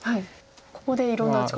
ここでいろんな打ち方が。